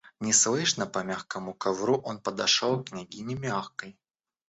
Неслышно, по мягкому ковру, он подошел к княгине Мягкой.